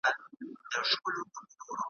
دلته مه راځۍ ښکاري تړلی لام دی ,